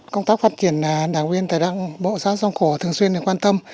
công tác phát triển đảng viên tại đảng bộ xã sông cổ thường xuyên quan tâm